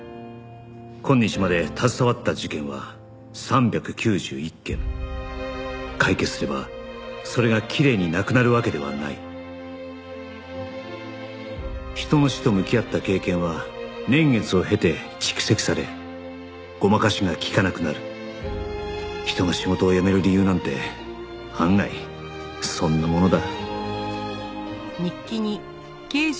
「今日まで携わった事件は３９１件」「解決すればそれが綺麗になくなるわけではない」「人の死と向き合った経験は年月を経て蓄積され誤魔化しが利かなくなる」「人が仕事を辞める理由なんて案外そんなものだ」